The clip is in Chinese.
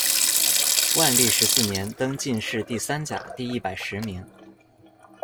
万历十四年，登进士第三甲第一百十名。